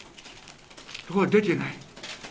ところが出てない。